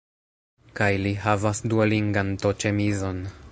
Kaj li havas Duolingan to-ĉemizon